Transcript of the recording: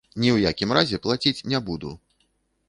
Ні ў якім разе плаціць не буду.